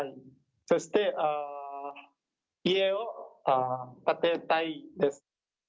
そして、家を建てたいです。